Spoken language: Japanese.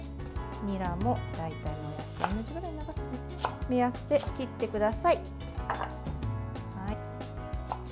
にらも大体同じくらいの長さの目安で切ってください。